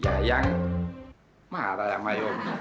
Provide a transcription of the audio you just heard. ya yang marah sama yomi